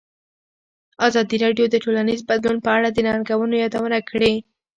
ازادي راډیو د ټولنیز بدلون په اړه د ننګونو یادونه کړې.